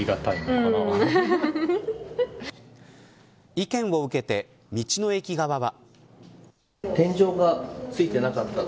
意見を受けて道の駅側は。